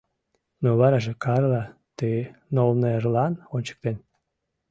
Ну вараже Карла ты нолнерлан ончыктен!